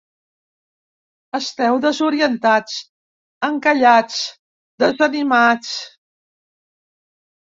Esteu desorientats, encallats, desanimats.